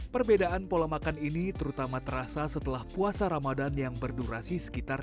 perbedaan pola makan ini terutama terasa setelah puasa ramadan yang berdurasi sekitar